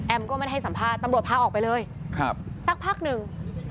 แอมก็ไม่ให้สัมภาษณ์ตำรวจพาออกไปเลยอะไรเลยสักพักนึง